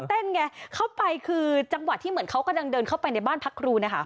ไงเข้าไปคือจังหวะที่เหมือนเขากำลังเดินเข้าไปในบ้านพักครูนะคะ